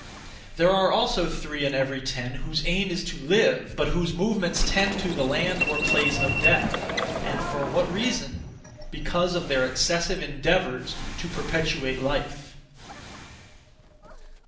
There are also three in every ten whose aim is to live, but whose movements tend to the land (or place) of death. And for what reason? Because of their excessive endeavours to perpetuate life.